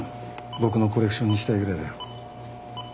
僕のコレクションにしたいぐらいだよ。